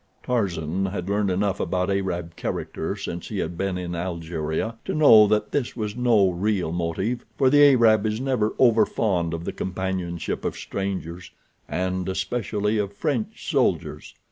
Tarzan had learned enough about Arab character since he had been in Algeria to know that this was no real motive, for the Arab is never overfond of the companionship of strangers, and especially of French soldiers.